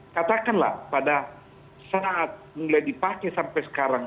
katakanlah pada saat mulai dipakai sampai sekarang